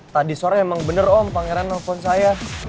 tadi sore emang bener om pangeran nelfon saya